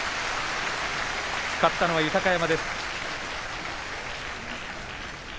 勝ったのは豊山。